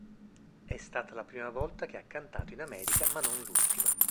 È stata la prima volta che ha cantato in America ma non l'ultima.